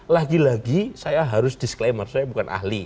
lagi lagi saya harus disclaimer saya bukan ahli